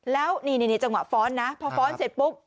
แล้วนี่จังหวะฟ้อนนะพอฟ้อนเสร็จปุ๊บ